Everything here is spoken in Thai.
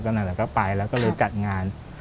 ก็ไปแล้วก็เลยจัดงาน